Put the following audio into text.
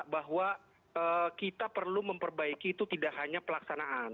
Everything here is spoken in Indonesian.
bahwa kita perlu memperbaiki itu tidak hanya pelaksanaan